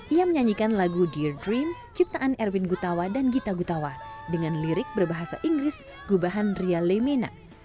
ia menyanyikan lagu dear dream ciptaan erwin gutawa dan gita gutawa dengan lirik berbahasa inggris gubahan ria lemena